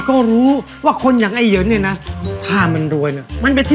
ก็ต้องกับเราเกะสิ